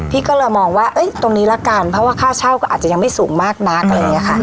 พี่ก็เลยมองว่าตรงนี้ละกันเพราะว่าค่าเช่าก็อาจจะยังไม่สูงมากนักอะไรอย่างนี้ค่ะ